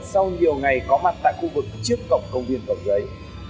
sau nhiều ngày có mặt tại khu vực trước cổng công viên cầu giấy